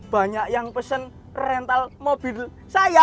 banyak yang pesen rental mobil saya